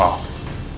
bantuan apa ren